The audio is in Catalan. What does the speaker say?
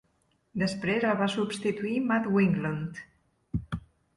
Després el va substituir Matt Wicklund.